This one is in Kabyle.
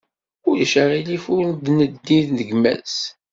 Ulac aɣilif ur-d neddi d gma-s.